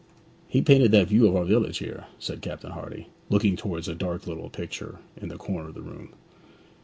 'He painted that view of our village here,' said Captain Hardy, looking towards a dark little picture in the corner of the room.